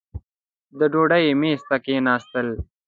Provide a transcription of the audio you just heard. د ډوډۍ مېز ته کښېنستل.